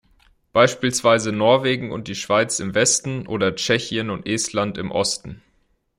Beispielsweise Norwegen und die Schweiz im Westen, oder Tschechien und Estland im Osten.